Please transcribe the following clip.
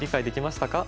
できました！